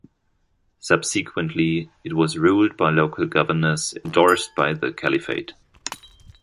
Subsequently, it was ruled by local governors endorsed by the Caliphate.